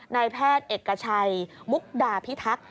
นายแพทย์เอกชัยมุกดาพิทักษ์